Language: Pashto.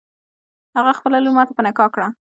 هغه خپله لور ماته په نکاح کړه.